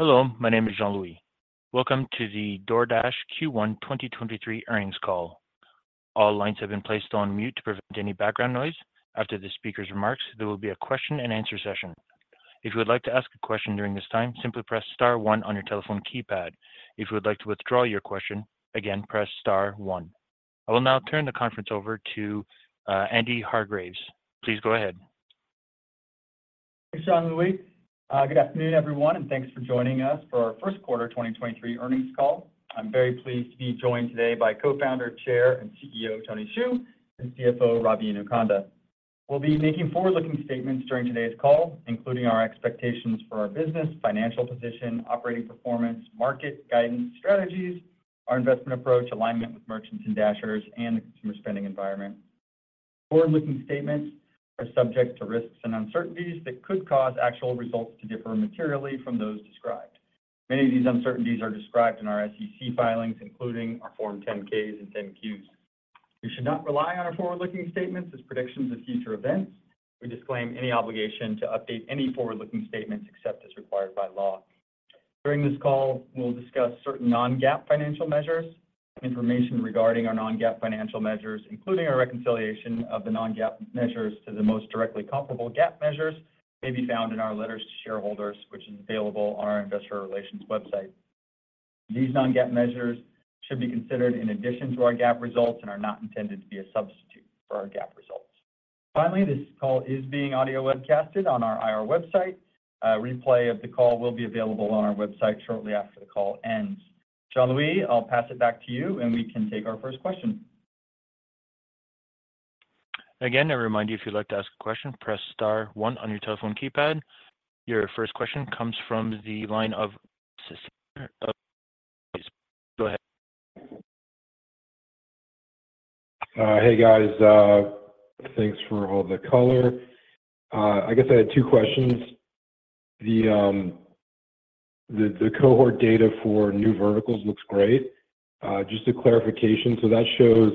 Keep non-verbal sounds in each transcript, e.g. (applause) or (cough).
Hello, my name is Jean-Louis. Welcome to the DoorDash Q1 2023 earnings call. All lines have been placed on mute to prevent any background noise. After the speaker's remarks, there will be a question-and-answer session. If you would like to ask a question during this time, simply press star one on your telephone keypad. If you would like to withdraw your question, again, press star one. I will now turn the conference over to Andy Hargreaves. Please go ahead. Thanks, Jean-Louis. Good afternoon, everyone, and thanks for joining us for our first quarter 2023 earnings call. I'm very pleased to be joined today by Co-founder, Chair, and CEO, Tony Xu, and CFO, Ravi Inukonda. We'll be making forward-looking statements during today's call, including our expectations for our business, financial position, operating performance, market guidance, strategies, our investment approach, alignment with merchants and Dashers, and the consumer spending environment. Forward-looking statements are subject to risks and uncertainties that could cause actual results to differ materially from those described. Many of these uncertainties are described in our SEC filings, including our Form 10-Ks and 10-Qs. You should not rely on our forward-looking statements as predictions of future events. We disclaim any obligation to update any forward-looking statements except as required by law. During this call, we'll discuss certain non-GAAP financial measures. Information regarding our non-GAAP financial measures, including our reconciliation of the non-GAAP measures to the most directly comparable GAAP measures, may be found in our letters to shareholders, which is available on our investor relations website. These non-GAAP measures should be considered in addition to our GAAP results and are not intended to be a substitute for our GAAP results. This call is being audio webcasted on our IR website. A replay of the call will be available on our website shortly after the call ends. Jean-Louis, I'll pass it back to you, and we can take our first question. I remind you if you'd like to ask a question, press star one on your telephone keypad. Your first question comes from the line of (inaudible) go ahead. Hey, guys. Thanks for all the color. I guess I had two questions. The cohort data for new verticals looks great. Just a clarification. That shows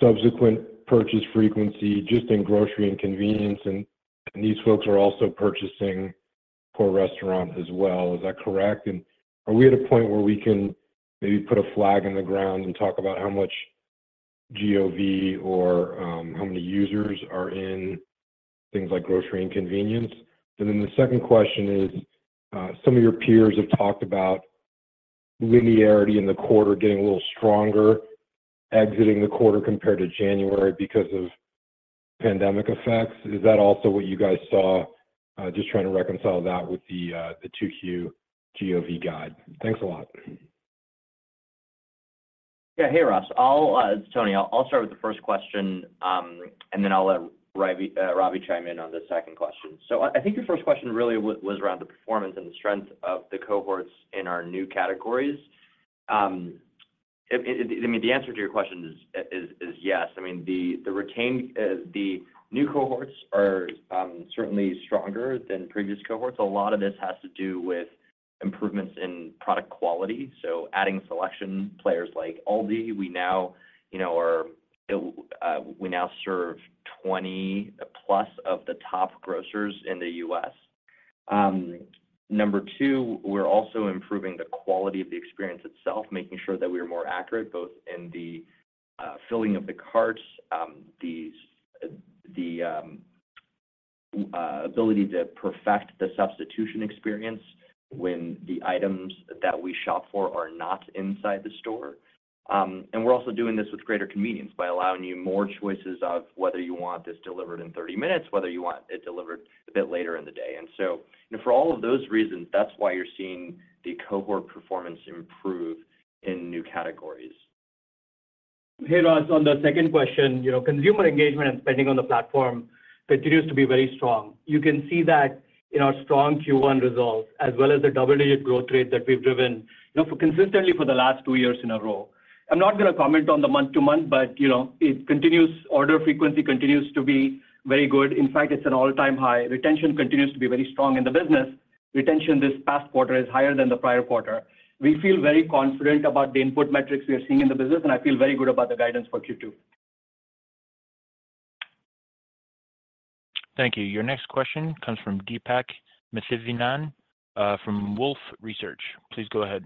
subsequent purchase frequency just in grocery and convenience, and these folks are also purchasing for restaurant as well. Is that correct? Are we at a point where we can maybe put a flag in the ground and talk about how much GOV or how many users are in things like grocery and convenience? The second question is, some of your peers have talked about linearity in the quarter getting a little stronger exiting the quarter compared to January because of pandemic effects. Is that also what you guys saw? Just trying to reconcile that with the 2Q GOV guide. Thanks a lot. Yeah. Hey, Ross. Tony. I'll start with the first question, and then I'll let Ravi chime in on the second question. I think your first question really was around the performance and the strength of the cohorts in our new categories. It, I mean, the answer to your question is yes. I mean, the retained new cohorts are certainly stronger than previous cohorts. A lot of this has to do with improvements in product quality, so adding selection players like ALDI. We now, you know, are, we now serve 20 plus of the top grocers in the U.S. Number two, we're also improving the quality of the experience itself, making sure that we are more accurate, both in the filling of the carts, the ability to perfect the substitution experience when the items that we shop for are not inside the store. We're also doing this with greater convenience by allowing you more choices of whether you want this delivered in 30 minutes, whether you want it delivered a bit later in the day. For all of those reasons, that's why you're seeing the cohort performance improve in new categories. Hey, Ross. On the second question, you know, consumer engagement and spending on the platform continues to be very strong. You can see that in our strong Q1 results, as well as the double-digit growth rate that we've driven, you know, consistently for the last two years in a row. I'm not gonna comment on the month to month, but, you know, it continues, order frequency continues to be very good. In fact, it's an all-time high. Retention continues to be very strong in the business. Retention this past quarter is higher than the prior quarter. We feel very confident about the input metrics we are seeing in the business, and I feel very good about the guidance for Q2. Thank you. Your next question comes from Deepak Mathivanan from Wolfe Research. Please go ahead.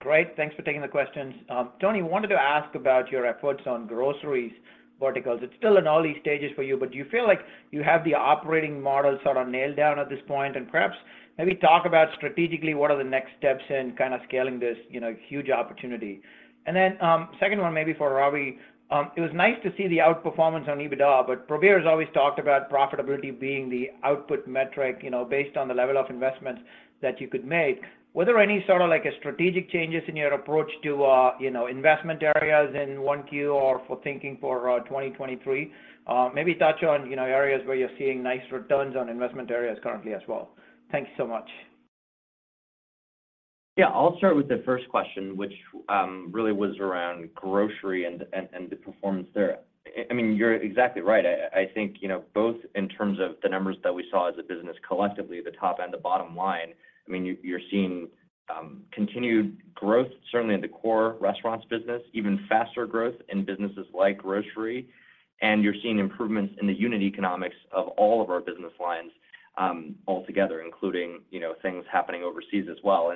Great. Thanks for taking the questions. Tony, wanted to ask about your efforts on groceries verticals. It's still in early stages for you, but do you feel like you have the operating model sort of nailed down at this point? Perhaps maybe talk about strategically what are the next steps in kind of scaling this, you know, huge opportunity. Then, second one maybe for Ravi, it was nice to see the outperformance on EBITDA, but Prabir's always talked about profitability being the output metric, you know, based on the level of investment that you could make. Were there any sort of, like, strategic changes in your approach to, you know, investment areas in 1Q or for thinking for 2023? Maybe touch on, you know, areas where you're seeing nice returns on investment areas currently as well. Thank you so much. Yeah. I'll start with the first question, which really was around grocery and the performance there. I mean, you're exactly right. I think, you know, both in terms of the numbers that we saw as a business collectively at the top and the bottom line, I mean, you're seeing continued growth, certainly in the core restaurants business, even faster growth in businesses like grocery, and you're seeing improvements in the unit economics of all of our business lines altogether, including, you know, things happening overseas as well.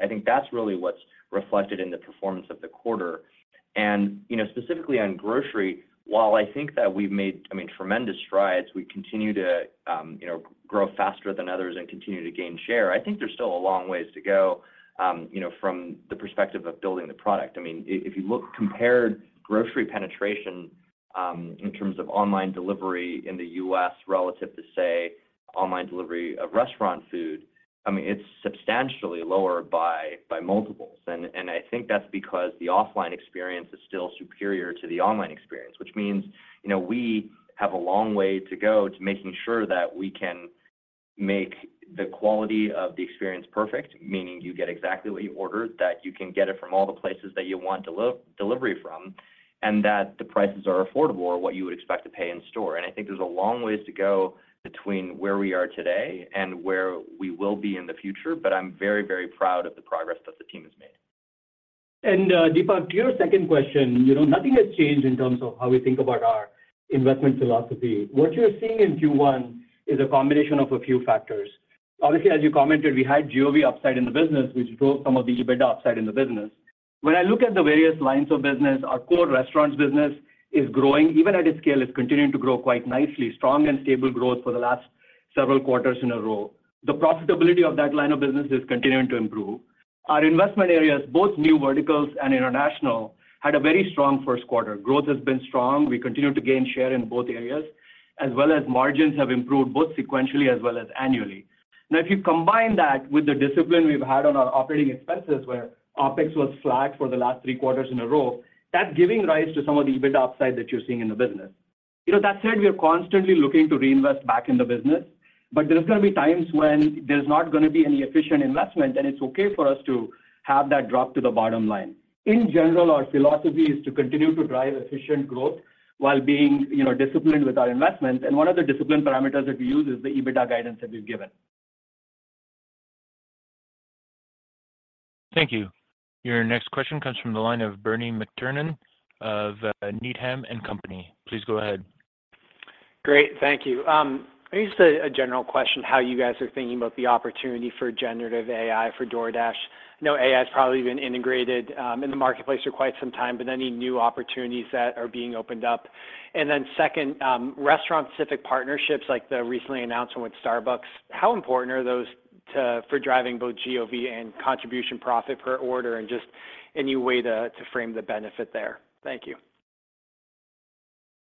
I think that's really what's reflected in the performance of the quarter. You know, specifically on grocery, while I think that we've made, I mean, tremendous strides, we continue to, you know, grow faster than others and continue to gain share, I think there's still a long ways to go, you know, from the perspective of building the product. I mean, if you look compared grocery penetration, in terms of online delivery in the U.S. relative to, say, online delivery of restaurant food, I mean, it's substantially lower by multiples. I think that's because the offline experience is still superior to the online experience, which means, you know, we have a long way to go to making sure that we can make the quality of the experience perfect, meaning you get exactly what you ordered, that you can get it from all the places that you want deli-delivery from, and that the prices are affordable or what you would expect to pay in store. I think there's a long ways to go between where we are today and where we will be in the future, but I'm very, very proud of the progress that the team has made. Deepak, to your second question, you know, nothing has changed in terms of how we think about our investment philosophy. What you're seeing in Q1 is a combination of a few factors. Obviously, as you commented, we had GOV upside in the business, which drove some of the EBITDA upside in the business. When I look at the various lines of business, our core restaurants business is growing. Even at this scale, it's continuing to grow quite nicely, strong and stable growth for the last several quarters in a row. The profitability of that line of business is continuing to improve. Our investment areas, both new verticals and international, had a very strong first quarter. Growth has been strong. We continue to gain share in both areas, as well as margins have improved both sequentially as well as annually. If you combine that with the discipline we've had on our operating expenses, where OpEx was flat for the last three quarters in a row, that's giving rise to some of the EBITDA upside that you're seeing in the business. You know, that said, we are constantly looking to reinvest back in the business, but there's gonna be times when there's not gonna be any efficient investment, and it's okay for us to have that drop to the bottom line. In general, our philosophy is to continue to drive efficient growth while being, you know, disciplined with our investments, and one of the discipline parameters that we use is the EBITDA guidance that we've given. Thank you. Your next question comes from the line of Bernie McTernan of Needham & Company. Please go ahead. Great. Thank you. Maybe just a general question, how you guys are thinking about the opportunity for generative AI for DoorDash. I know AI's probably been integrated in the marketplace for quite some time, but any new opportunities that are being opened up. Second, restaurant-specific partnerships like the recently announcement with Starbucks, how important are those for driving both GOV and contribution profit per order and just any way to frame the benefit there? Thank you.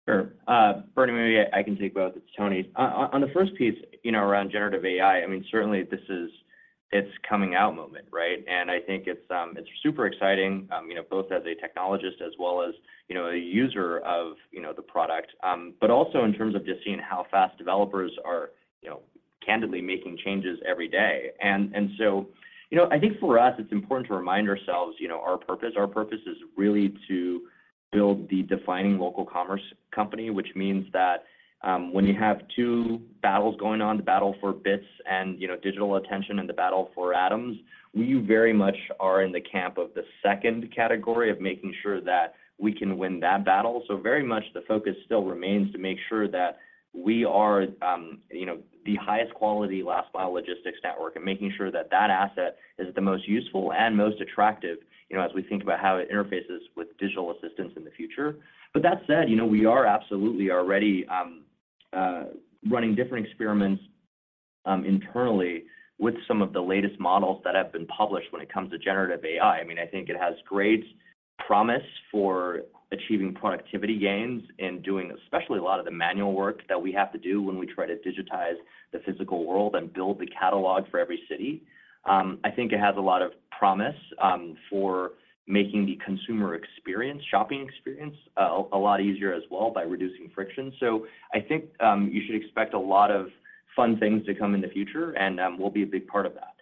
Sure. Bernie, maybe I can take both. It's Tony. On the first piece, you know, around generative AI, I mean, certainly this is its coming out moment, right? I think it's super exciting, you know, both as a technologist as well as, you know, a user of, you know, the product, but also in terms of just seeing how fast developers are, you know, candidly making changes every day. You know, I think for us, it's important to remind ourselves, you know, our purpose. Our purpose is really to build the defining local commerce company, which means that, when you have two battles going on, the battle for bits and, you know, digital attention and the battle for atoms, we very much are in the camp of the second category of making sure that we can win that battle. Very much the focus still remains to make sure that we are, you know, the highest quality last mile logistics network and making sure that that asset is the most useful and most attractive, you know, as we think about how it interfaces with digital assistants in the future. That said, you know, we are absolutely already running different experiments internally with some of the latest models that have been published when it comes to generative AI. I mean, I think it has great promise for achieving productivity gains and doing especially a lot of the manual work that we have to do when we try to digitize the physical world and build the catalog for every city. I think it has a lot of promise for making the consumer experience, shopping experience a lot easier as well by reducing friction. I think you should expect a lot of fun things to come in the future and we'll be a big part of that.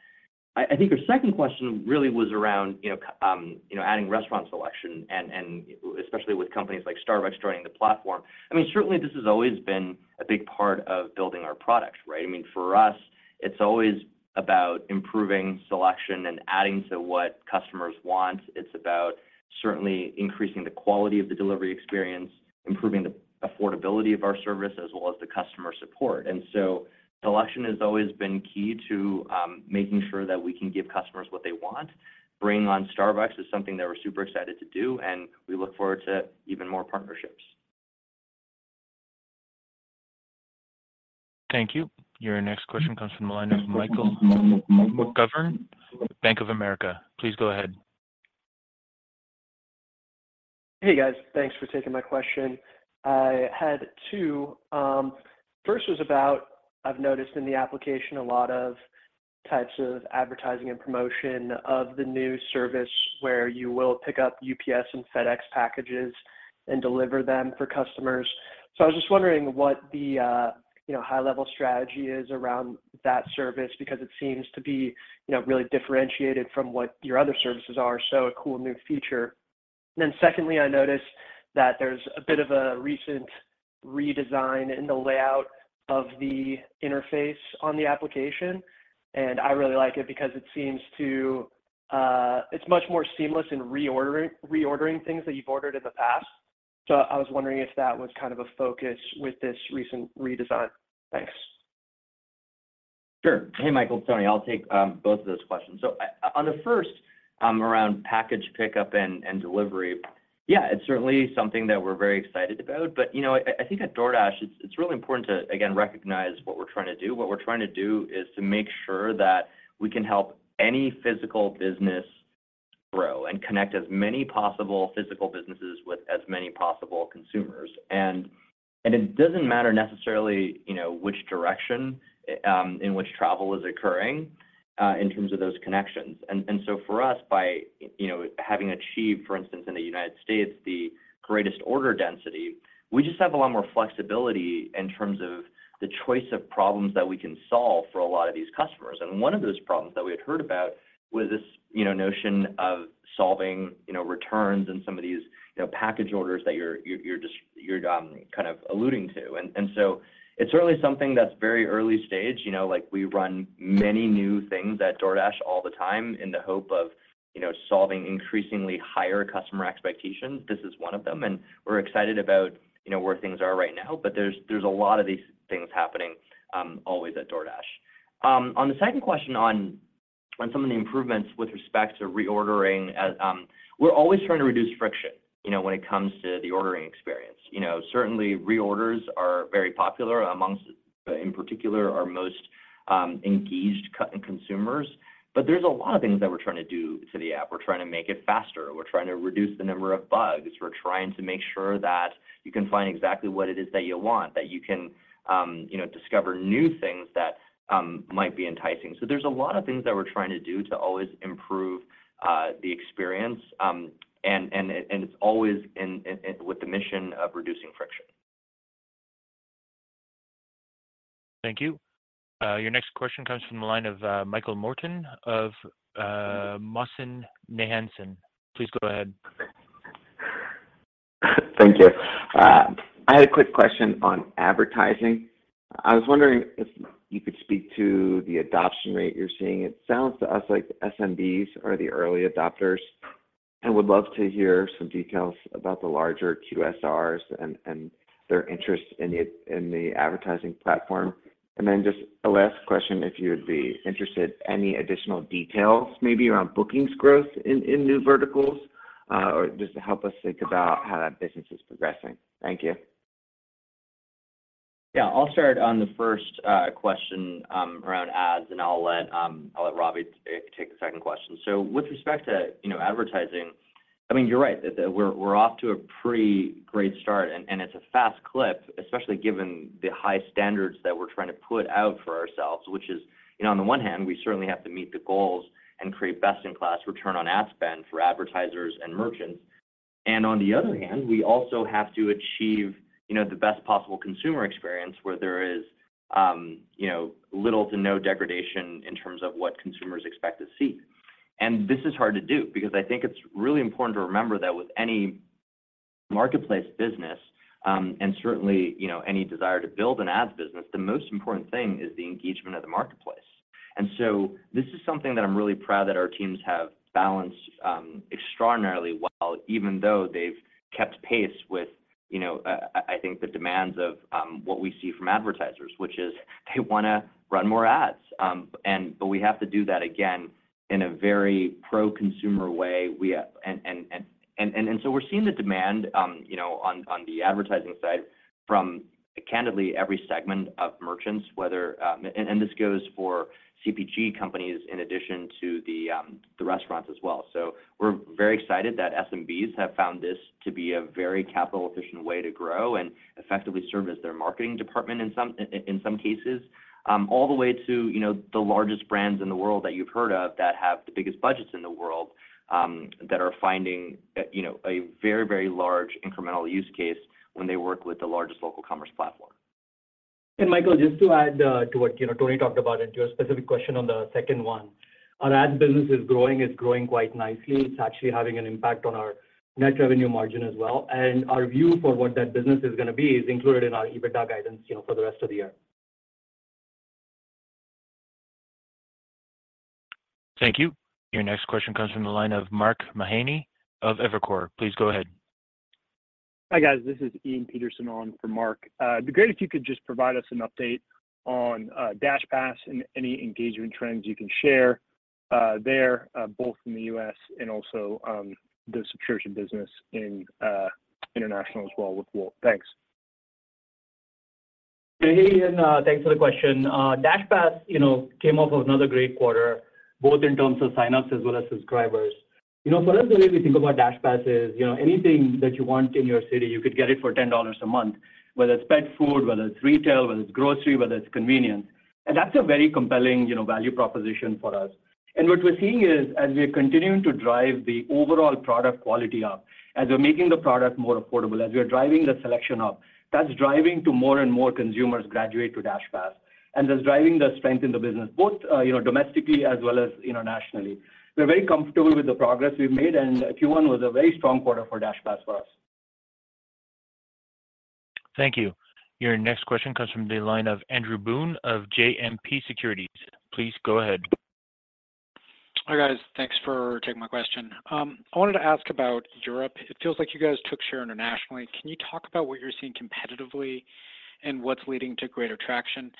I think your second question really was around, you know, adding restaurant selection and especially with companies like Starbucks joining the platform. I mean, certainly this has always been a big part of building our products, right? I mean, for us, it's always about improving selection and adding to what customers want. It's about certainly increasing the quality of the delivery experience, improving the affordability of our service, as well as the customer support. Selection has always been key to making sure that we can give customers what they want. Bringing on Starbucks is something that we're super excited to do. We look forward to even more partnerships. Thank you. Your next question comes from the line of Michael McGovern, Bank of America. Please go ahead. Hey, guys. Thanks for taking my question. I had two. First was about, I've noticed in the application a lot of types of advertising and promotion of the new service where you will pick up UPS and FedEx packages and deliver them for customers. I was just wondering what the, you know, high level strategy is around that service, because it seems to be, you know, really differentiated from what your other services are, so a cool new feature. secondly, I noticed that there's a bit of a recent redesign in the layout of the interface on the application, and I really like it because it seems to it's much more seamless in reordering things that you've ordered in the past. I was wondering if that was kind of a focus with this recent redesign? Thanks. Sure. Hey, Michael, Tony. I'll take both of those questions. On the first, around package pickup and delivery, yeah, it's certainly something that we're very excited about. You know, I think at DoorDash, it's really important to, again, recognize what we're trying to do. What we're trying to do is to make sure that we can help any physical business grow and connect as many possible physical businesses with as many possible consumers. It doesn't matter necessarily, you know, which direction in which travel is occurring in terms of those connections. So for us by, you know, having achieved, for instance, in the United States, the greatest order density, we just have a lot more flexibility in terms of the choice of problems that we can solve for a lot of these customers. One of those problems that we had heard about was this, you know, notion of solving, you know, returns and some of these, you know, package orders that you're kind of alluding to. It's really something that's very early stage. You know, like we run many new things at DoorDash all the time in the hope of, you know, solving increasingly higher customer expectations. This is one of them, and we're excited about, you know, where things are right now. There's a lot of these things happening always at DoorDash. On the second question on some of the improvements with respect to reordering, we're always trying to reduce friction, you know, when it comes to the ordering experience. You know, certainly reorders are very popular amongst, in particular our most engaged consumers. There's a lot of things that we're trying to do to the app. We're trying to make it faster. We're trying to reduce the number of bugs. We're trying to make sure that you can find exactly what it is that you want, that you can, you know, discover new things that might be enticing. There's a lot of things that we're trying to do to always improve the experience. And it's always in with the mission of reducing friction. Thank you. Your next question comes from the line of Michael Morton of MoffettNathanson. Please go ahead. Thank you. I had a quick question on advertising. I was wondering if you could speak to the adoption rate you're seeing. It sounds to us like SMBs are the early adopters. Would love to hear some details about the larger QSRs and their interest in the advertising platform. Just a last question, if you would be interested, any additional details maybe around bookings growth in new verticals, or just to help us think about how that business is progressing. Thank you. Yeah. I'll start on the first question around ads. I'll let Ravi take the second question. With respect to, you know, advertising, I mean, you're right. We're off to a pretty great start and it's a fast clip, especially given the high standards that we're trying to put out for ourselves, which is, you know, on the one hand, we certainly have to meet the goals and create best-in-class return on ad spend for advertisers and merchants. On the other hand, we also have to achieve, you know, the best possible consumer experience where there is, you know, little to no degradation in terms of what consumers expect to see. This is hard to do because I think it's really important to remember that with any marketplace business, and certainly, you know, any desire to build an ads business, the most important thing is the engagement of the marketplace. This is something that I'm really proud that our teams have balanced extraordinarily well, even though they've kept pace with, you know, I think the demands of what we see from advertisers, which is they wanna run more ads. We have to do that again in a very pro-consumer way. We're seeing the demand, you know, on the advertising side from candidly every segment of merchants, whether. This goes for CPG companies in addition to the restaurants as well. We're very excited that SMBs have found this to be a very capital efficient way to grow and effectively serve as their marketing department in some cases, all the way to, you know, the largest brands in the world that you've heard of that have the biggest budgets in the world, that are finding, you know, a very, very large incremental use case when they work with the largest local commerce platform. Michael, just to add, to what, you know, Tony talked about and to your specific question on the second one, our ads business is growing. It's growing quite nicely. It's actually having an impact on our net revenue margin as well. Our view for what that business is gonna be is included in our EBITDA guidance, you know, for the rest of the year. Thank you. Your next question comes from the line of Mark Mahaney of Evercore. Please go ahead. Hi, guys. This is Ian Peterson on for Mark. It'd be great if you could just provide us an update on DashPass and any engagement trends you can share there, both in the U.S. and also the subscription business in international as well with Wolt. Thanks. Hey, Ian, thanks for the question. DashPass, you know, came off of another great quarter, both in terms of signups as well as subscribers. You know, for us, the way we think about DashPass is, you know, anything that you want in your city, you could get it for $10 a month, whether it's pet food, whether it's retail, whether it's grocery, whether it's convenience. That's a very compelling, you know, value proposition for us. What we're seeing is as we're continuing to drive the overall product quality up, as we're making the product more affordable, as we are driving the selection up, that's driving to more and more consumers graduate to DashPass. That's driving the strength in the business, both, you know, domestically as well as internationally. We're very comfortable with the progress we've made. Q1 was a very strong quarter for DashPass for us. Thank you. Your next question comes from the line of Andrew Boone of JMP Securities. Please go ahead. Hi, guys. Thanks for taking my question. I wanted to ask about Europe. It feels like you guys took share internationally. Can you talk about what you're seeing competitively and what's leading to greater traction?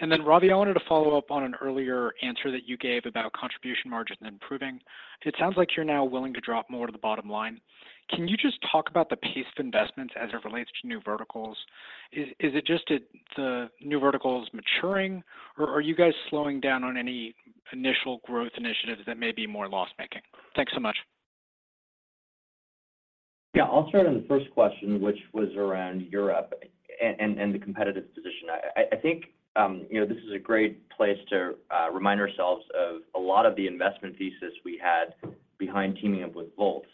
Ravi, I wanted to follow up on an earlier answer that you gave about contribution margin improving. It sounds like you're now willing to drop more to the bottom line. Can you just talk about the pace of investments as it relates to new verticals? Is it just that the new verticals maturing, or are you guys slowing down on any initial growth initiatives that may be more loss-making? Thanks so much. Yeah. I'll start on the first question, which was around Europe and the competitive position. I think, you know, this is a great place to remind ourselves of a lot of the investment thesis we had behind teaming up with Wolt,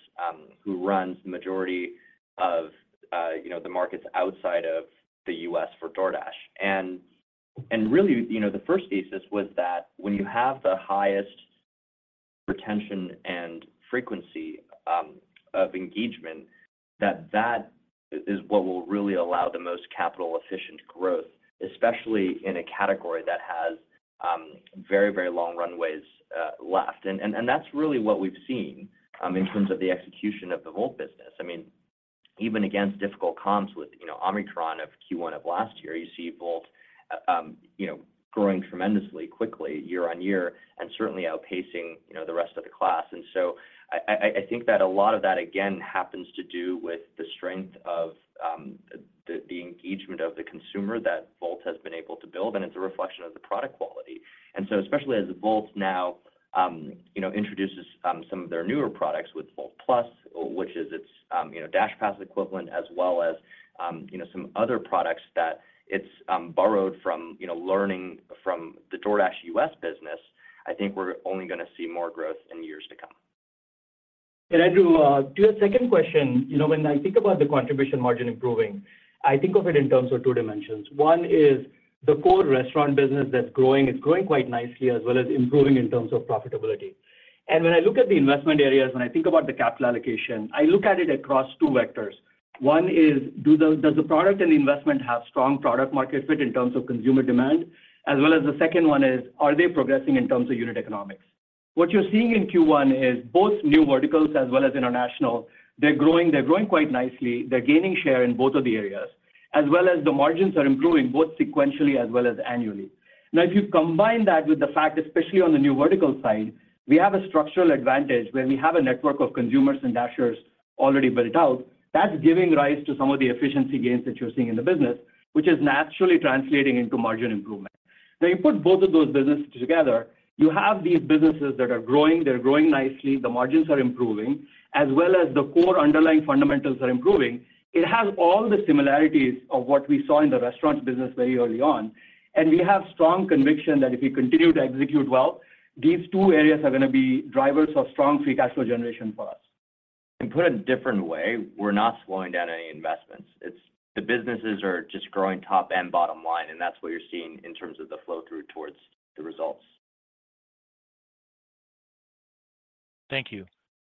who runs the majority of, you know, the markets outside of the U.S. for DoorDash. Really, you know, the first thesis was that when you have the highest retention and frequency of engagement, that that is what will really allow the most capital efficient growth, especially in a category that has very long runaways left. That's really what we've seen in terms of the execution of the Wolt business. I mean, even against difficult comps with, you know, Omicron of Q1 of last year, you see Wolt, you know, growing tremendously quickly year-on-year, and certainly outpacing, you know, the rest of the class. I, I think that a lot of that again happens to do with the strength of the engagement of the consumer that Wolt has been able to build, and it's a reflection of the product quality. Especially as Wolt now, you know, introduces some of their newer products with Wolt+, which is its, you know, DashPass equivalent, as well as, you know, some other products that it's borrowed from, you know, learning from the DoorDash US business, I think we're only gonna see more growth in years to come. Andrew, to your second question, you know, when I think about the contribution margin improving, I think of it in terms of two dimensions. One is the core restaurant business that's growing, it's growing quite nicely, as well as improving in terms of profitability. When I look at the investment areas, when I think about the capital allocation, I look at it across two vectors. One is does the product and investment have strong product market fit in terms of consumer demand? As well as the second one is, are they progressing in terms of unit economics? What you're seeing in Q1 is both new verticals as well as international, they're growing, they're growing quite nicely. They're gaining share in both of the areas, as well as the margins are improving both sequentially as well as annually. If you combine that with the fact, especially on the new vertical side, we have a structural advantage where we have a network of consumers and dashers already built out, that's giving rise to some of the efficiency gains that you're seeing in the business, which is naturally translating into margin improvement. You put both of those businesses together, you have these businesses that are growing, they're growing nicely, the margins are improving, as well as the core underlying fundamentals are improving. It has all the similarities of what we saw in the restaurant business very early on, and we have strong conviction that if we continue to execute well, these two areas are gonna be drivers of strong free cash flow generation for us. Put a different way, we're not slowing down any investments. It's the businesses are just growing top and bottom line, and that's what you're seeing in terms of the flow through towards the results. Thank you.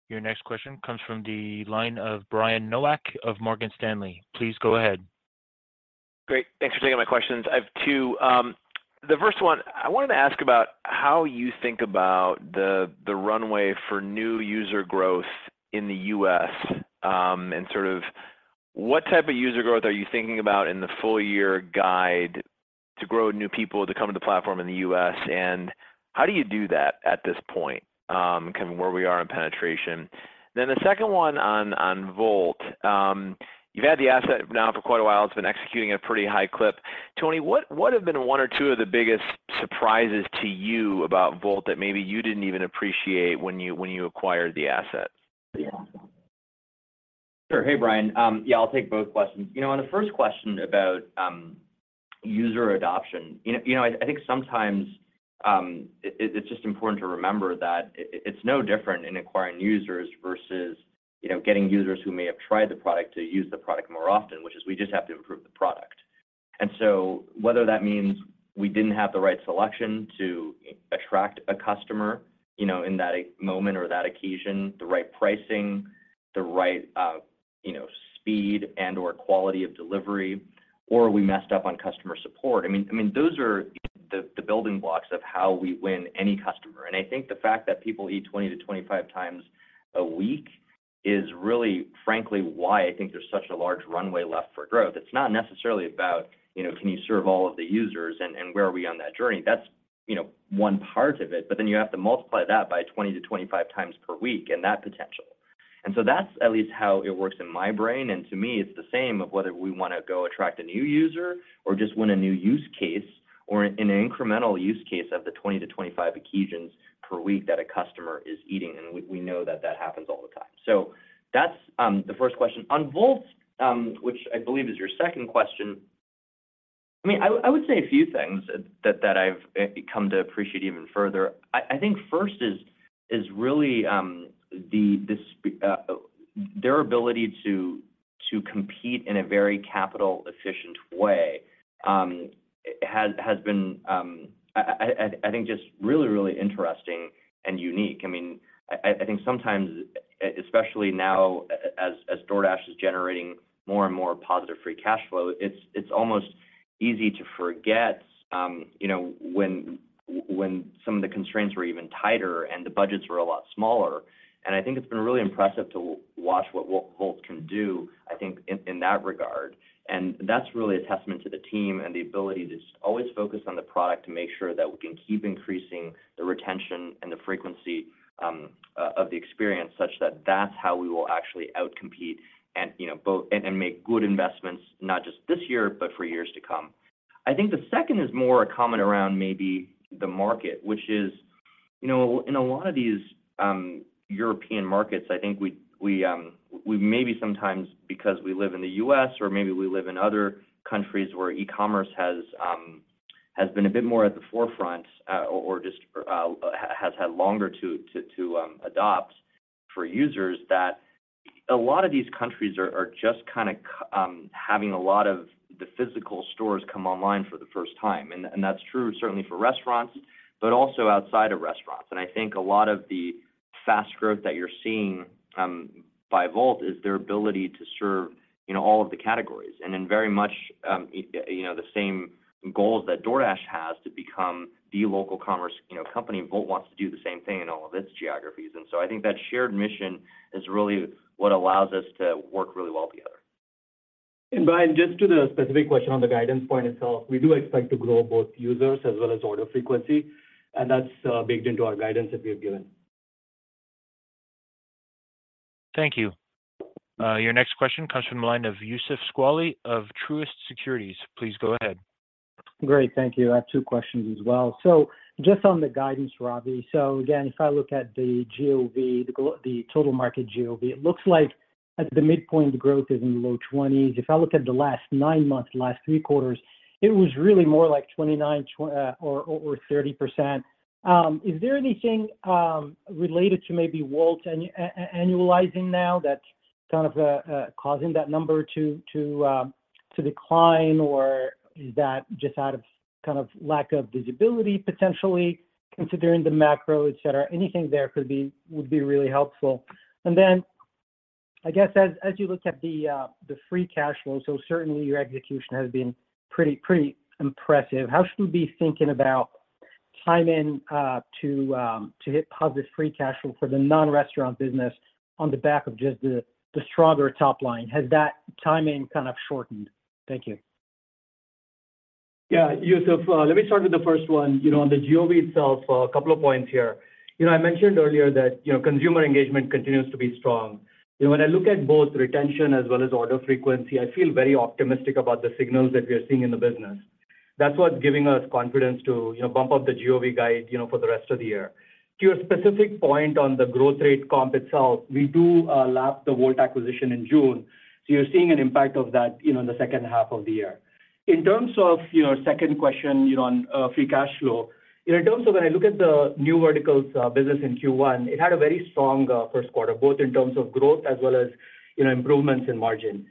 Your next question comes from the line of Brian Nowak of Morgan Stanley. Please go ahead. Great. Thanks for taking my questions. I have two. The first one, I wanted to ask about how you think about the runway for new user growth in the U.S., and sort of what type of user growth are you thinking about in the full year guide to grow new people to come to the platform in the U.S., and how do you do that at this point, kind of where we are in penetration? The second one on Wolt. You've had the asset now for quite a while. It's been executing at a pretty high clip. Tony, what have been one or two of the biggest surprises to you about Wolt that maybe you didn't even appreciate when you, when you acquired the asset? Sure. Hey, Brian. Yeah, I'll take both questions. You know, on the first question about user adoption, you know, I think sometimes, it's just important to remember that it's no different in acquiring users versus, you know, getting users who may have tried the product to use the product more often, which is we just have to improve the product. Whether that means we didn't have the right selection to attract a customer, you know, in that moment or that occasion, the right pricing, the right, you know, speed and or quality of delivery, or we messed up on customer support. I mean, those are the building blocks of how we win any customer. I think the fact that people eat 20-25 times a week is really frankly why I think there's such a large runway left for growth. It's not necessarily about, you know, can you serve all of the users and where are we on that journey? That's, you know, one part of it, you have to multiply that by 20-25 times per week and that potential. That's at least how it works in my brain, and to me it's the same of whether we wanna go attract a new user or just win a new use case or an incremental use case of the 20-25 occasions per week that a customer is eating, and we know that that happens all the time. That's the first question. On Wolt, which I believe is your second question, I mean, I would say a few things that I've come to appreciate even further. I think first is really their ability to compete in a very capital efficient way has been I think just really interesting and unique. I mean, I think sometimes, especially now as DoorDash is generating more and more positive free cash flow, it's almost easy to forget, you know, when some of the constraints were even tighter and the budgets were a lot smaller. I think it's been really impressive to watch what Wolt can do, I think, in that regard. That's really a testament to the team and the ability to just always focus on the product to make sure that we can keep increasing the retention and the frequency of the experience, such that that's how we will actually outcompete and, you know, both and make good investments, not just this year, but for years to come. I think the second is more a comment around maybe the market, which is, you know, in a lot of these European markets, I think we maybe sometimes, because we live in the U.S. or maybe we live in other countries where e-commerce has been a bit more at the forefront, or just has had longer to adopt for users, that a lot of these countries are just kinda having a lot of the physical stores come online for the first time. That's true certainly for restaurants, but also outside of restaurants. I think a lot of the fast growth that you're seeing by Wolt is their ability to serve, you know, all of the categories. In very much, you know, the same goals that DoorDash has to become the local commerce, you know, company, Wolt wants to do the same thing in all of its geographies. I think that shared mission is really what allows us to work really well together. Brian, just to the specific question on the guidance point itself, we do expect to grow both users as well as order frequency, and that's baked into our guidance that we have given. Thank you. Your next question comes from the line of Youssef Squali of Truist Securities. Please go ahead. Great. Thank you. I have two questions as well. Just on the guidance, Ravi. Again, if I look at the GOV, the total market GOV, it looks like at the midpoint, growth is in low 20s. If I look at the last nine months, last three quarters, it was really more like 29 or 30%. Is there anything related to maybe Wolt annualizing now that's kind of causing that number to decline, or is that just out of kind of lack of visibility potentially considering the macro, et cetera? Anything there would be really helpful. I guess as you look at the free cash flow, certainly your execution has been pretty impressive. How should we be thinking about timing, to hit positive free cash flow for the non-restaurant business on the back of just the stronger top line? Has that timing kind of shortened? Thank you. Yeah, Youssef, let me start with the first one. You know, on the GOV itself, a couple of points here. You know, I mentioned earlier that, you know, consumer engagement continues to be strong. You know, when I look at both retention as well as order frequency, I feel very optimistic about the signals that we are seeing in the business. That's what's giving us confidence to, you know, bump up the GOV guide, you know, for the rest of the year. To your specific point on the growth rate comp itself, we do, lap the Wolt acquisition in June, so you're seeing an impact of that, you know, in the second half of the year. In terms of your second question, you know, on free cash flow, you know, in terms of when I look at the new verticals business in Q1, it had a very strong first quarter, both in terms of growth as well as, you know, improvements in margin.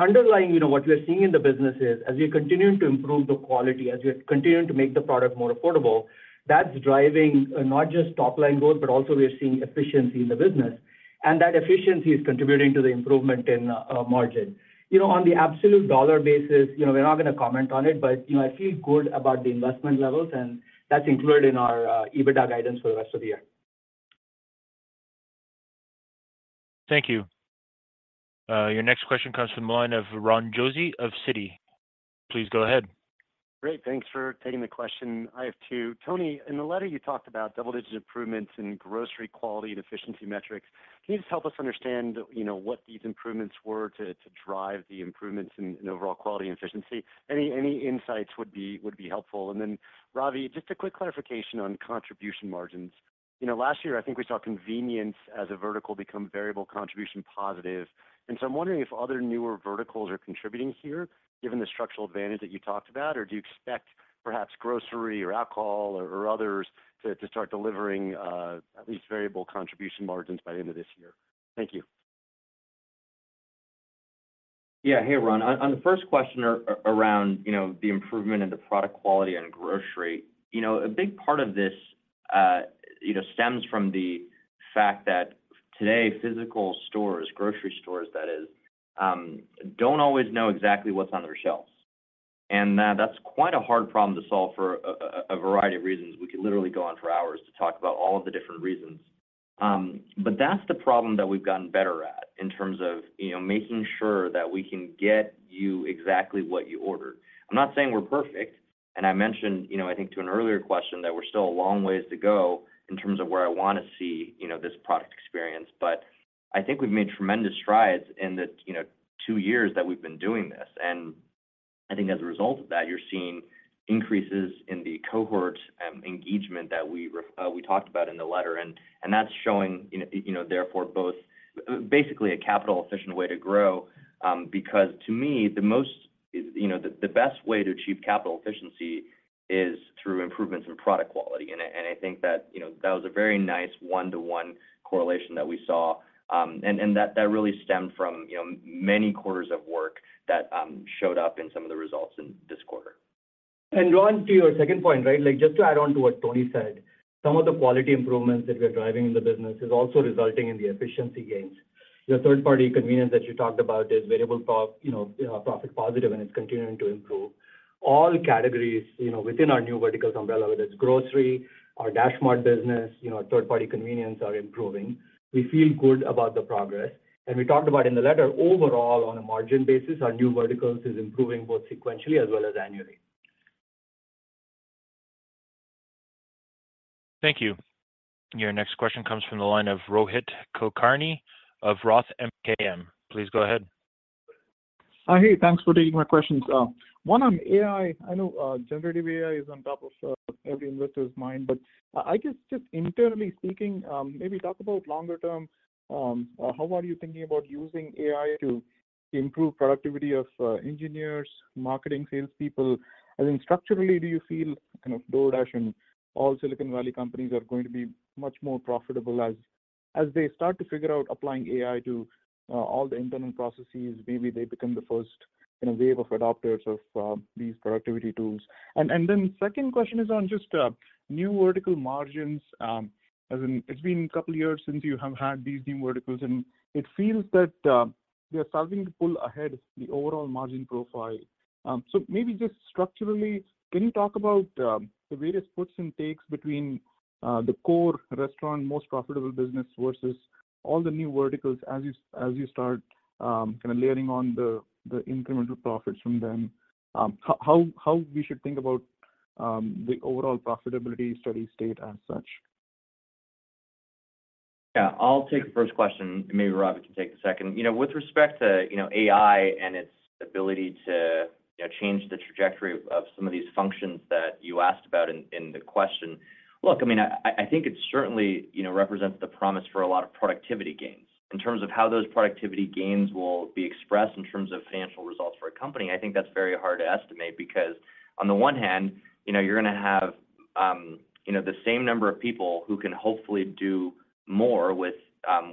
Underlying, you know, what we are seeing in the business is as we continue to improve the quality, as we are continuing to make the product more affordable, that's driving not just top line growth, but also we are seeing efficiency in the business, and that efficiency is contributing to the improvement in margin. You know, on the absolute dollar basis, you know, we're not gonna comment on it, but, you know, I feel good about the investment levels, and that's included in our EBITDA guidance for the rest of the year. Thank you. Your next question comes from the line of Ron Josey of Citi. Please go ahead. Great. Thanks for taking the question. I have two. Tony, in the letter you talked about double-digit improvements in grocery quality and efficiency metrics. Can you just help us understand, you know, what these improvements were to drive the improvements in overall quality and efficiency? Any insights would be helpful. Ravi, just a quick clarification on contribution margins. You know, last year I think we saw convenience as a vertical become variable contribution positive, I'm wondering if other newer verticals are contributing here, given the structural advantage that you talked about. Do you expect perhaps grocery or alcohol or others to start delivering at least variable contribution margins by the end of this year? Thank you. Yeah. Hey, Ron. On the first question around, you know, the improvement in the product quality and grocery, you know, a big part of this, you know, stems from the fact that today physical stores, grocery stores that is, don't always know exactly what's on their shelves. That's quite a hard problem to solve for a variety of reasons. We could literally go on for hours to talk about all of the different reasons. That's the problem that we've gotten better at in terms of, you know, making sure that we can get you exactly what you ordered. I'm not saying we're perfect, and I mentioned, you know, I think to an earlier question, that we're still a long ways to go in terms of where I wanna see, you know, this product experience. I think we've made tremendous strides in the, you know, two years that we've been doing this. I think as a result of that, you're seeing increases in the cohort engagement that we talked about in the letter. That's showing in, you know, therefore both... basically a capital efficient way to grow because to me, the most, you know, the best way to achieve capital efficiency is through improvements in product quality. I think that, you know, that was a very nice 1-1 correlation that we saw. And that really stemmed from, you know, many quarters of work that showed up in some of the results in this quarter. Ron, to your second point, right? Like, just to add on to what Tony said, some of the quality improvements that we are driving in the business is also resulting in the efficiency gains. Your third party convenience that you talked about is variable, you know, profit positive, and it's continuing to improve. All categories, you know, within our new verticals umbrella, whether it's grocery, our DashMart business, you know, third party convenience are improving. We feel good about the progress. We talked about in the letter overall on a margin basis, our new verticals is improving both sequentially as well as annually. Thank you. Your next question comes from the line of Rohit Kulkarni of Roth MKM. Please go ahead. Hey, thanks for taking my questions. One on AI. I know generative AI is on top of every investor's mind, but I guess just internally speaking, maybe talk about longer term, how are you thinking about using AI to improve productivity of engineers, marketing salespeople? Structurally, do you feel kind of DoorDash and all Silicon Valley companies are going to be much more profitable as they start to figure out applying AI to all the internal processes? Maybe they become the first, you know, wave of adopters of these productivity tools. Second question is on just new vertical margins. It's been a couple years since you have had these new verticals, and it feels that they're starting to pull ahead the overall margin profile. Maybe just structurally, can you talk about the various puts and takes between the core restaurant most profitable business versus all the new verticals as you start kind of layering on the incremental profits from them? How we should think about the overall profitability, steady state as such? Yeah. I'll take the first question. Maybe Rohit can take the second. You know, with respect to, you know, AI and its ability to, you know, change the trajectory of some of these functions that you asked about in the question. Look, I mean, I think it certainly, you know, represents the promise for a lot of productivity gains. In terms of how those productivity gains will be expressed in terms of financial results for a company, I think that's very hard to estimate. On the one hand, you know, you're gonna have, you know, the same number of people who can hopefully do more with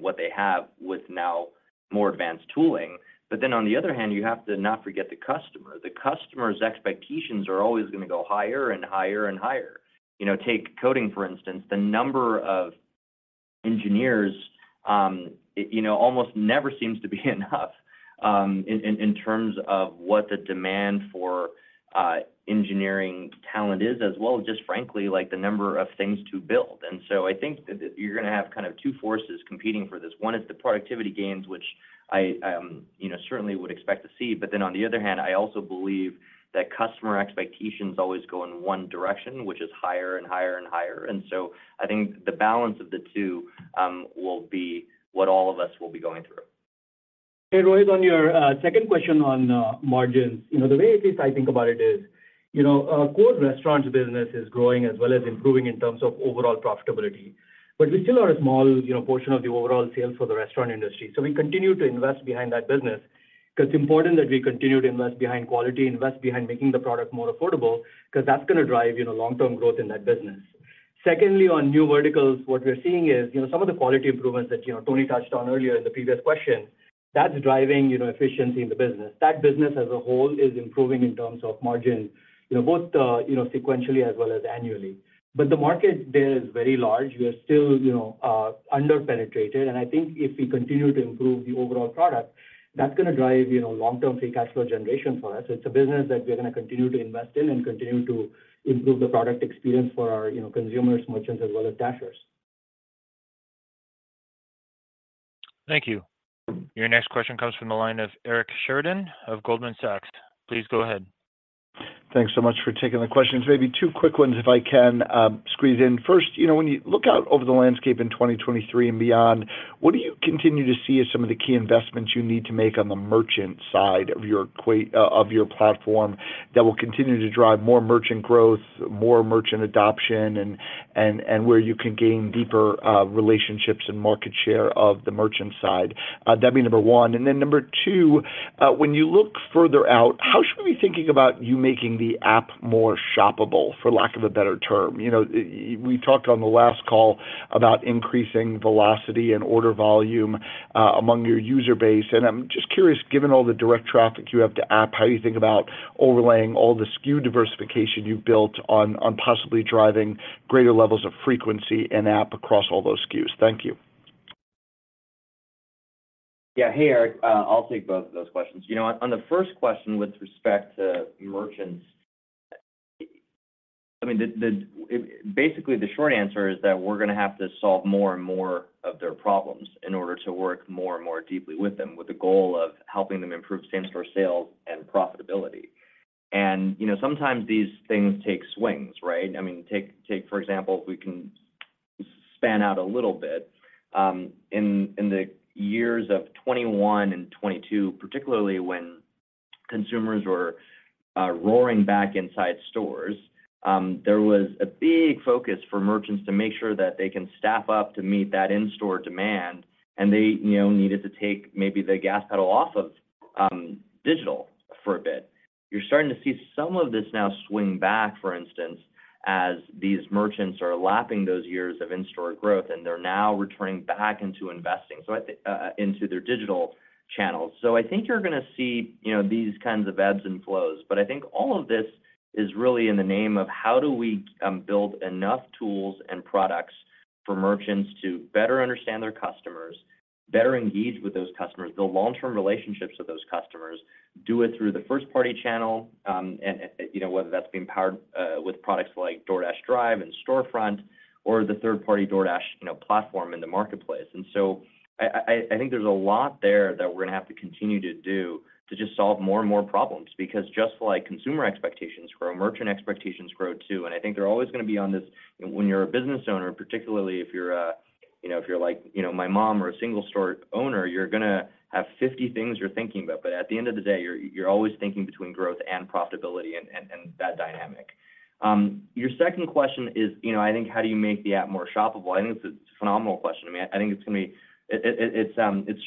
what they have with now more advanced tooling. On the other hand, you have to not forget the customer. The customer's expectations are always gonna go higher and higher and higher. You know, take coding for instance. The number of engineers, you know, almost never seems to be enough in terms of what the demand for engineering talent is, as well as just frankly like the number of things to build. I think that you're gonna have kind of two forces competing for this. One is the productivity gains, which I, you know, certainly would expect to see. On the other hand, I also believe that customer expectations always go in one direction, which is higher and higher and higher. I think the balance of the two will be what all of us will be going through. Hey, Rohit, on your second question on margins. You know, the way at least I think about it is, you know, our core restaurants business is growing as well as improving in terms of overall profitability. We still are a small, you know, portion of the overall sales for the restaurant industry. We continue to invest behind that business 'cause it's important that we continue to invest behind quality, invest behind making the product more affordable, 'cause that's gonna drive, you know, long-term growth in that business. Secondly, on new verticals, what we're seeing is, you know, some of the quality improvements that, you know, Tony touched on earlier in the previous question, that's driving, you know, efficiency in the business. That business as a whole is improving in terms of margin, you know, both, you know, sequentially as well as annually. The market there is very large. We are still, you know, under-penetrated, and I think if we continue to improve the overall product, that's gonna drive, you know, long-term free cash flow generation for us. It's a business that we're gonna continue to invest in and continue to improve the product experience for our, you know, consumers, merchants, as well as Dashers. Thank you. Your next question comes from the line of Eric Sheridan of Goldman Sachs. Please go ahead. Thanks so much for taking the questions. Maybe two quick ones if I can, squeeze in. First, you know, when you look out over the landscape in 2023 and beyond, what do you continue to see as some of the key investments you need to make on the merchant side of your platform that will continue to drive more merchant growth, more merchant adoption and where you can gain deeper relationships and market share of the merchant side? That'd be number one. Number two, when you look further out, how should we be thinking about you making the app more shoppable, for lack of a better term? You know, we talked on the last call about increasing velocity and order volume, among your user base, and I'm just curious, given all the direct traffic you have to app, how you think about overlaying all the SKU diversification you've built on possibly driving greater levels of frequency and app across all those SKUs? Thank you. Hey, Eric, I'll take both of those questions. You know, on the first question with respect to merchants, I mean, Basically, the short answer is that we're gonna have to solve more and more of their problems in order to work more and more deeply with them, with the goal of helping them improve same-store sales and profitability. You know, sometimes these things take swings, right? I mean, take for example, if we can span out a little bit, in the years of 21 and 22, particularly when consumers were roaring back inside stores, there was a big focus for merchants to make sure that they can staff up to meet that in-store demand and they, you know, needed to take maybe the gas pedal off of digital for a bit. You're starting to see some of this now swing back. For instance, as these merchants are lapping those years of in-store growth, and they're now returning back into investing, into their digital channels. I think you're gonna see, you know, these kinds of ebbs and flows, but I think all of this is really in the name of how do we build enough tools and products for merchants to better understand their customers, better engage with those customers, build long-term relationships with those customers, do it through the first party channel, and, you know, whether that's being powered with products like DoorDash Drive and Storefront or the third party DoorDash, you know, platform in the marketplace. I think there's a lot there that we're gonna have to continue to do to just solve more and more problems because just like consumer expectations grow, merchant expectations grow too. I think they're always gonna be on this, when you're a business owner, particularly if you're, you know, if you're like, you know, my mom or a single store owner, you're gonna have 50 things you're thinking about. At the end of the day, you're always thinking between growth and profitability and that dynamic. Your second question is, you know, I think how do you make the app more shoppable? I think it's a phenomenal question. I mean, I think it's gonna be. It's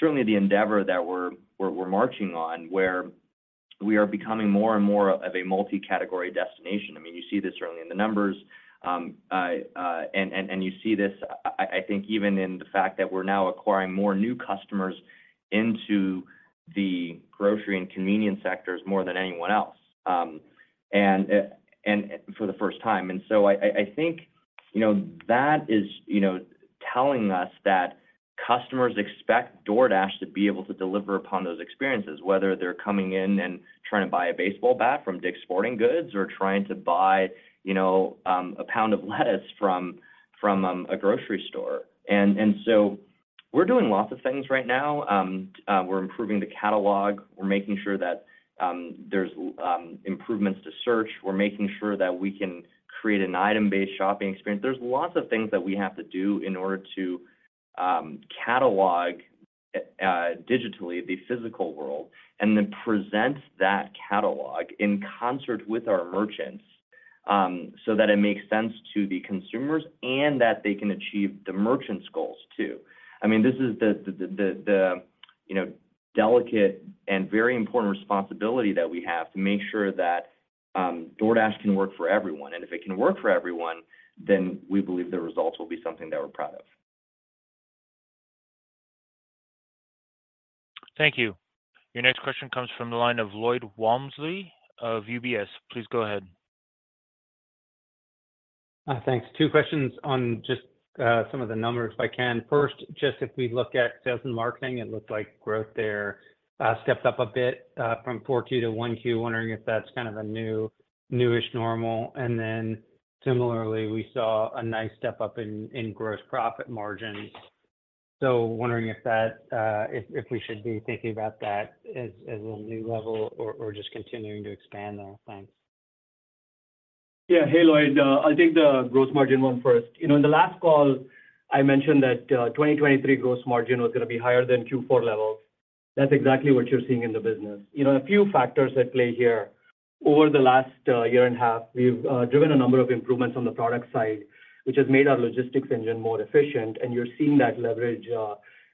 certainly the endeavor that we're marching on, where we are becoming more and more of a multi-category destination. I mean, you see this certainly in the numbers, and you see this, I think even in the fact that we're now acquiring more new customers into the grocery and convenience sectors more than anyone else, and for the first time. I think, you know, that is, you know, telling us that customers expect DoorDash to be able to deliver upon those experiences, whether they're coming in and trying to buy a baseball bat from DICK'S Sporting Goods or trying to buy, you know, a pound of lettuce from a grocery store. We're doing lots of things right now. We're improving the catalog. We're making sure that there's improvements to search. We're making sure that we can create an item-based shopping experience. There's lots of things that we have to do in order to catalog digitally the physical world and then present that catalog in concert with our merchants so that it makes sense to the consumers and that they can achieve the merchants goals too. I mean, this is the, you know, delicate and very important responsibility that we have to make sure that DoorDash can work for everyone. If it can work for everyone, then we believe the results will be something that we're proud of. Thank you. Your next question comes from the line of Lloyd Walmsley of UBS. Please go ahead. Thanks. Two questions on just some of the numbers, if I can. First, just if we look at sales and marketing, it looked like growth there, stepped up a bit from 4Q to 1Q. Wondering if that's kind of a newish normal. Similarly, we saw a nice step up in gross profit margins. Wondering if that, if we should be thinking about that as a new level or just continuing to expand there. Thanks. Yeah. Hey, Lloyd. I'll take the gross margin one first. You know, in the last call, I mentioned that 2023 gross margin was gonna be higher than Q4 level. That's exactly what you're seeing in the business. You know, a few factors at play here. Over the last year and a half, we've driven a number of improvements on the product side, which has made our logistics engine more efficient, and you're seeing that leverage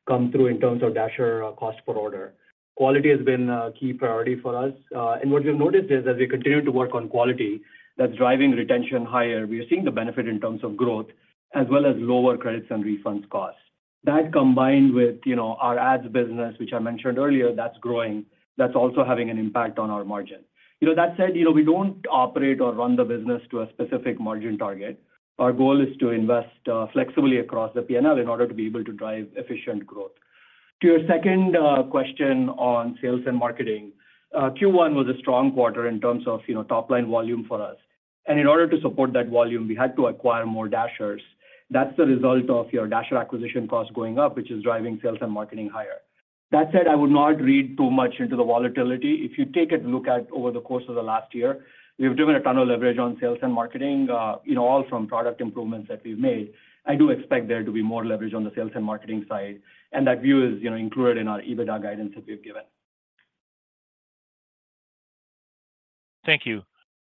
come through in terms of Dasher cost per order. Quality has been a key priority for us. What we've noticed is as we continue to work on quality, that's driving retention higher. We are seeing the benefit in terms of growth as well as lower credits and refunds cost. That combined with, you know, our ads business, which I mentioned earlier, that's growing, that's also having an impact on our margin. You know, that said, you know, we don't operate or run the business to a specific margin target. Our goal is to invest flexibly across the P&L in order to be able to drive efficient growth. To your second question on sales and marketing, Q1 was a strong quarter in terms of, you know, top line volume for us. In order to support that volume, we had to acquire more Dashers. That's the result of your Dasher acquisition cost going up, which is driving sales and marketing higher. That said, I would not read too much into the volatility. If you take a look at over the course of the last year, we've driven a ton of leverage on sales and marketing, you know, all from product improvements that we've made. I do expect there to be more leverage on the sales and marketing side. That view is, you know, included in our EBITDA guidance that we've given. Thank you.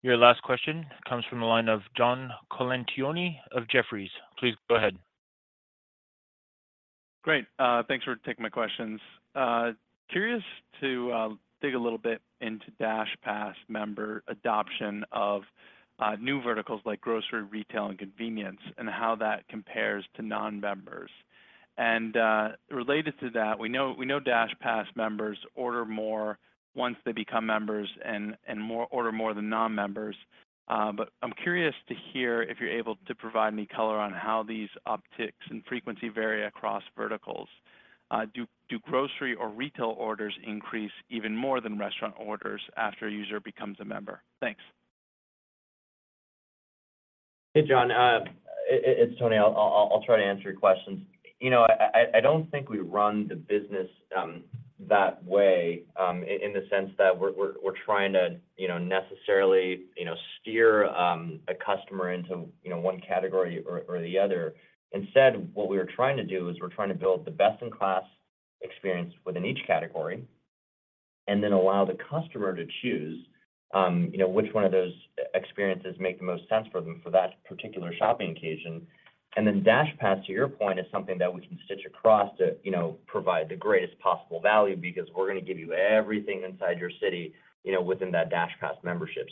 Your last question comes from the line of John Colantuoni of Jefferies. Please go ahead. Great. Thanks for taking my questions. Curious to dig a little bit into DashPass member adoption of new verticals like grocery, retail, and convenience, and how that compares to non-members. Related to that, we know DashPass members order more once they become members and order more than non-members. I'm curious to hear if you're able to provide any color on how these upticks in frequency vary across verticals. Do grocery or retail orders increase even more than restaurant orders after a user becomes a member? Thanks. Hey, John, it's Tony. I'll try to answer your questions. You know, I don't think we run the business that way, in the sense that we're trying to necessarily steer a customer into one category or the other. Instead, what we are trying to do is we're trying to build the best in class experience within each category and then allow the customer to choose which one of those e-experiences make the most sense for them for that particular shopping occasion. Then DashPass, to your point, is something that we can stitch across to provide the greatest possible value because we're gonna give you everything inside your city within that DashPass membership.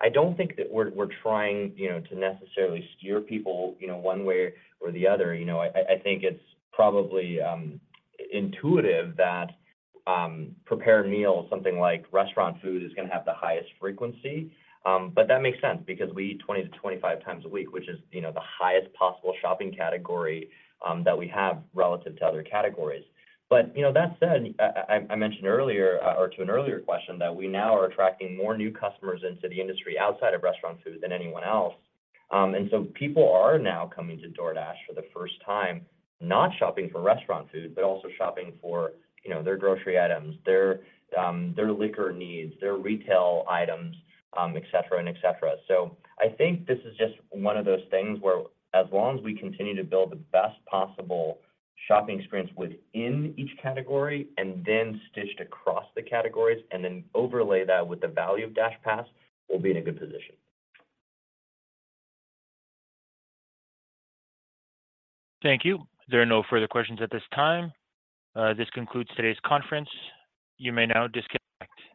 I don't think that we're trying to necessarily steer people one way or the other. You know, I think it's probably intuitive that prepared meals, something like restaurant food is gonna have the highest frequency. That makes sense because we eat 20-25 times a week, which is, you know, the highest possible shopping category that we have relative to other categories. You know, that said, I mentioned earlier or to an earlier question that we now are attracting more new customers into the industry outside of restaurant food than anyone else. People are now coming to DoorDash for the first time, not shopping for restaurant food, but also shopping for, you know, their grocery items, their liquor needs, their retail items, et cetera and et cetera. I think this is just one of those things where as long as we continue to build the best possible shopping experience within each category and then stitched across the categories, and then overlay that with the value of DashPass, we'll be in a good position. Thank you. There are no further questions at this time. This concludes today's conference. You may now disconnect.